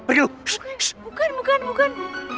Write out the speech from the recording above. bukan bukan bukan